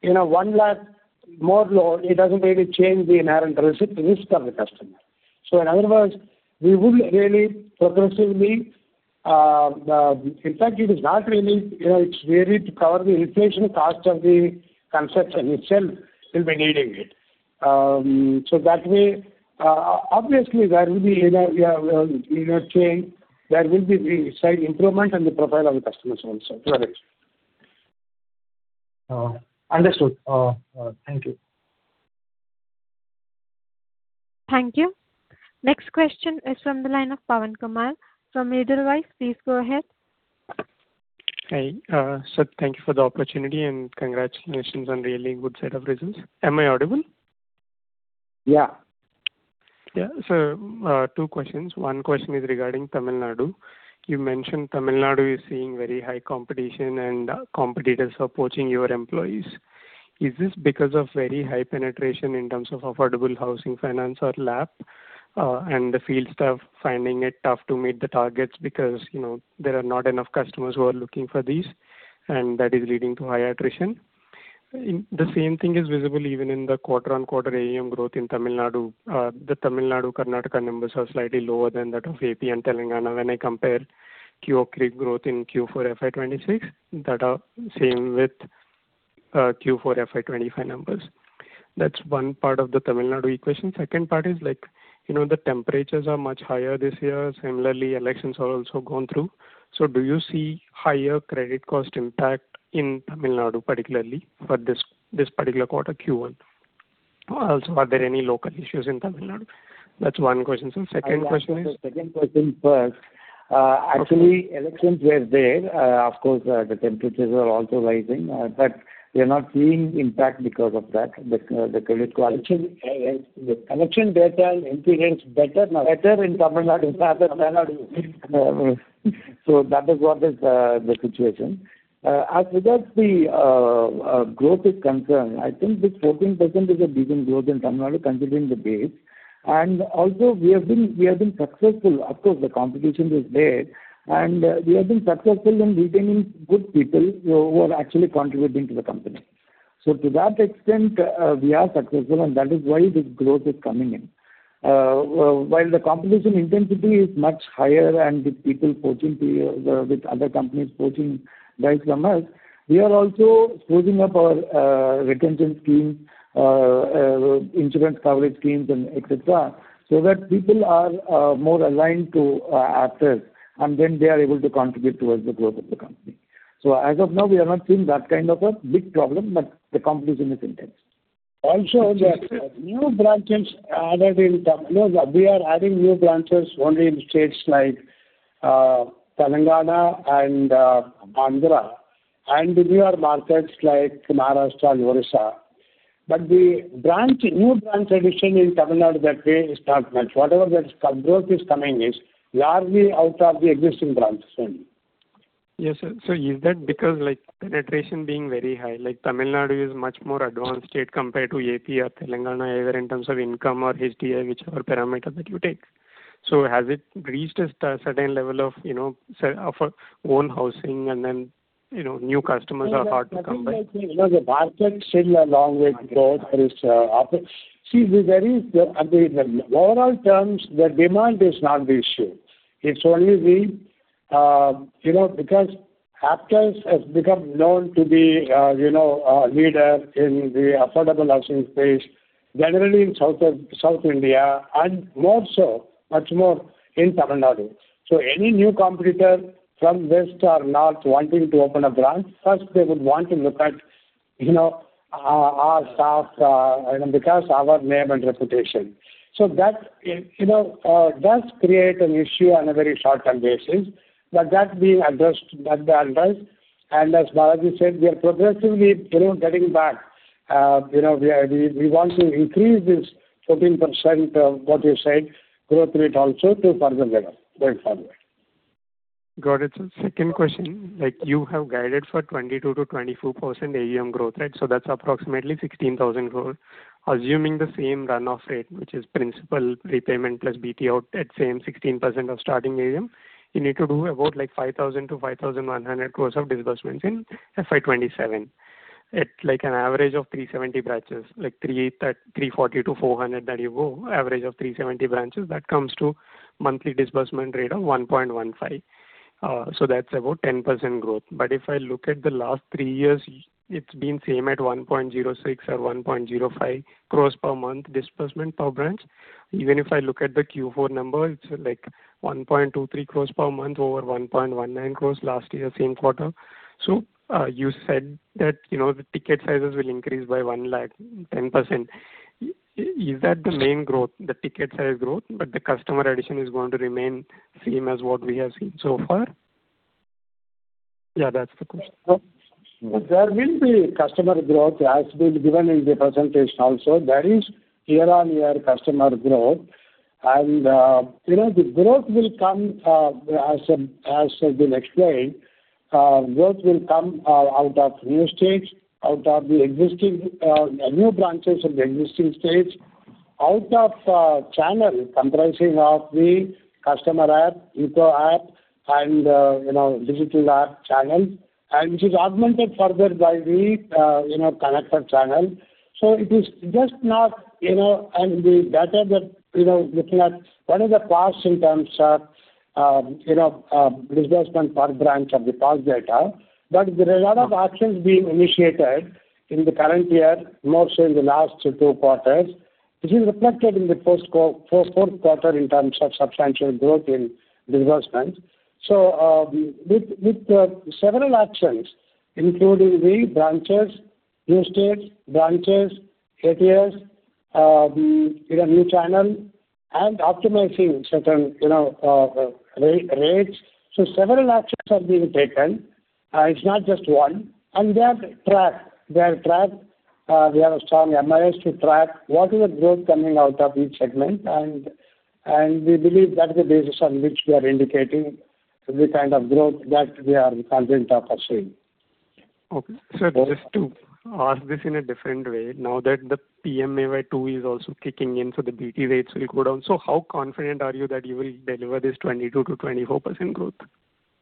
you know, 1 lakh more loan, it doesn't really change the inherent risk of the customer. In other words, we would really progressively, in fact, it is not really, you know, it's really to cover the inflation cost of the construction itself will be needing it. That way, obviously there will be, you know, change. There will be the slight improvement in the profile of the customers also to an extent. Understood. Thank you. Thank you. Next question is from the line of Pawan Kumar from Edelweiss. Please go ahead. Hi. Sir, thank you for the opportunity and congratulations on really good set of results. Am I audible? Yeah. Yeah. Two questions. One question is regarding Tamil Nadu. You mentioned Tamil Nadu is seeing very high competition and competitors approaching your employees. Is this because of very high penetration in terms of affordable housing finance or LAP, and the field staff finding it tough to meet the targets because, you know, there are not enough customers who are looking for these and that is leading to high attrition? The same thing is visible even in the quarter-on-quarter AUM growth in Tamil Nadu. The Tamil Nadu, Karnataka numbers are slightly lower than that of AP and Telangana when I compare QoQ growth in Q4 FY 2026 that are same with Q4 FY 2025 numbers. That's one part of the Tamil Nadu equation. Second part is like, you know, the temperatures are much higher this year. Similarly, elections are also gone through. Do you see higher credit cost impact in Tamil Nadu, particularly for this particular quarter Q1? Also, are there any local issues in Tamil Nadu? That's one question, sir. Second question is. I'll answer the second question first. Okay. Actually, elections were there. Of course, the temperatures are also rising. We are not seeing impact because of that. The credit quality. Actually, the election data indicates better-- better in Tamil Nadu than other Tamil Nadu. That is what is the situation. As regards the growth is concerned, I think this 14% is a decent growth in Tamil Nadu considering the base. Also we have been successful. Of course, the competition is there, we have been successful in retaining good people who are actually contributing to the company. To that extent, we are successful, that is why this growth is coming in. While the competition intensity is much higher and with people poaching with other companies poaching by some us, we are also sprucing up our retention scheme, insurance coverage schemes and etc, so that people are more aligned to Aptus and then they are able to contribute towards the growth of the company. As of now, we are not seeing that kind of a big problem, but the competition is intense. Also we are adding new branches only in states like Telangana and Andhra and the newer markets like Maharashtra and Odisha. The new branch addition in Tamil Nadu that way is not much. Whatever that growth is coming is largely out of the existing branches only. Yes, sir. Is that because like penetration being very high, like Tamil Nadu is much more advanced state compared to AP or Telangana, either in terms of income or HDI, whichever parameter that you take. Has it reached a certain level of, you know, of own housing and then, you know, new customers are hard to come by? You know, the market still a long way to go. There is, I mean, the overall terms, the demand is not the issue. It's only, you know, because Aptus has become known to be, you know, a leader in the affordable housing space, generally in South India, and more so, much more in Tamil Nadu. Any new competitor from West or North wanting to open a branch, first they would want to look at, you know, our staff and because our name and reputation. That, you know, does create an issue on a very short-term basis, but that's being addressed by Aptus. As Balaji said, we are progressively, you know, getting back. You know, we want to increase this 14%, what you said, growth rate also to further better going forward. Got it. Second question. Like, you have guided for 22%-24% AUM growth, right? That's approximately 16,000 crore growth. Assuming the same run-off rate, which is principal repayment plus BT out at same 16% of starting AUM, you need to do about, like, 5,000 crore-5,100 crore of disbursements in FY 2027. It's like an average of 370 branches, like 340-400 that you grow, average of 370 branches. That comes to monthly disbursement rate of 1.15 crore. That's about 10% growth. If I look at the last three years, it's been same at 1.06 crore or 1.05 crore per month disbursement per branch. Even if I look at the Q4 numbers, it's like 1.23 crores per month over 1.19 crores last year, same quarter. You said that, you know, the ticket sizes will increase by 1 lakh, 10%. Is that the main growth, the ticket size growth, but the customer addition is going to remain same as what we have seen so far? Yeah, that's the question. There will be customer growth, as been given in the presentation also. There is year-on-year customer growth. You know, the growth will come as been explained, growth will come out of new states, out of the existing new branches of the existing states, out of channel comprising of the customer app, Aptus E-Seva, and, you know, digital app channel, and which is augmented further by the, you know, connector channel. It is just not, you know, and the data that, you know, looking at what is the past in terms of, you know, disbursement per branch of the past data. There are a lot of actions being initiated in the current year, more so in the last two quarters. This is reflected in the post fourth quarter in terms of substantial growth in disbursements. With, with several actions, including new branches, new states, branches, ATS, the, you know, new channel and optimizing certain, you know, rates. Several actions are being taken. It's not just one. They are tracked. They are tracked. We have a strong MIS to track what is the growth coming out of each segment. And we believe that's the basis on which we are indicating the kind of growth that we are confident of pursuing. Okay. Sir, just to ask this in a different way. Now that the PMAY 2.0 is also kicking in, the BT rates will go down. How confident are you that you will deliver this 22%-24% growth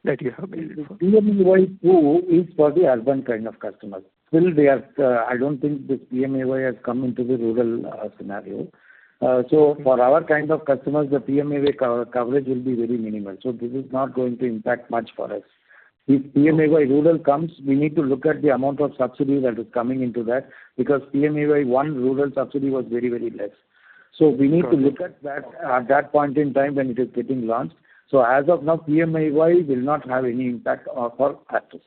that you have made it for? PMAY 2.0 is for the urban kind of customers. Still they have, I don't think this PMAY has come into the rural scenario. For our kind of customers, the PMAY co-coverage will be very minimal. This is not going to impact much for us. If PMAY rural comes, we need to look at the amount of subsidy that is coming into that, because PMAY 1.0 Rural subsidy was very less. We need to look at that at that point in time when it is getting launched. As of now, PMAY will not have any impact for Aptus.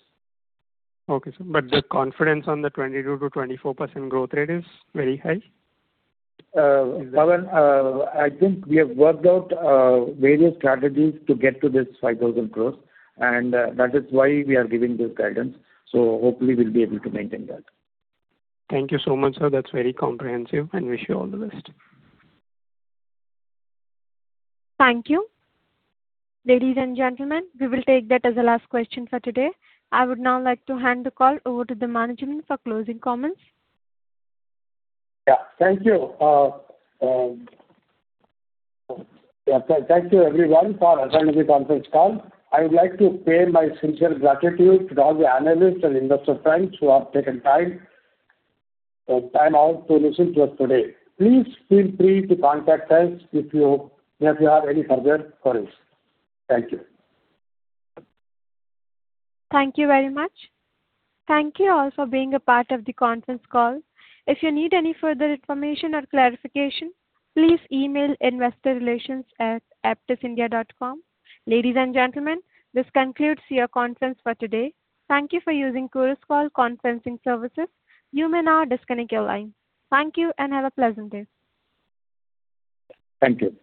Okay, sir. The confidence on the 22%-24% growth rate is very high? Pawan, I think we have worked out various strategies to get to this 5,000 crores, and that is why we are giving this guidance. Hopefully we'll be able to maintain that. Thank you so much, sir. That's very comprehensive, and wish you all the best. Thank you. Ladies and gentlemen, we will take that as the last question for today. I would now like to hand the call over to the management for closing comments. Yeah. Thank you. Yeah. Thank you everyone for attending the conference call. I would like to pay my sincere gratitude to all the analysts and investor friends who have taken time out to listen to us today. Please feel free to contact us if you have any further queries. Thank you. Thank you very much. Thank you all for being a part of the conference call. If you need any further information or clarification, please email investorrelations@aptusindia.com. Ladies and gentlemen, this concludes your conference for today. Thank you for using Chorus Call conferencing services. You may now disconnect your line. Thank you, and have a pleasant day. Thank you.